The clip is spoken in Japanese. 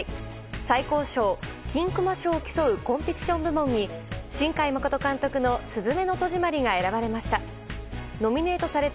最高賞・金熊賞を競うコンペティション部門に新海誠監督の「すずめの戸締まり」が選ばれました。